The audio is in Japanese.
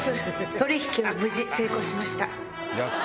取引は無事成功しました。